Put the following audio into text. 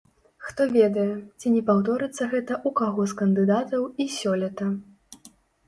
Хто ведае, ці не паўторыцца гэта ў каго з кандыдатаў і сёлета.